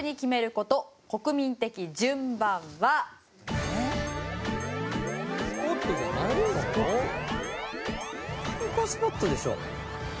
ここはスポットでしょ。